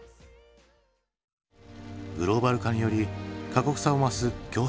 グローバル化により過酷さを増す競争社会。